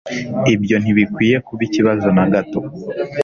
Ibyo ntibikwiye kuba ikibazo na gato.